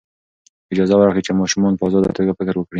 اجازه ورکړئ چې ماشومان په ازاده توګه فکر وکړي.